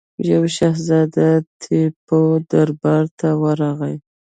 یوه شهزاده ټیپو دربار ته ورغی.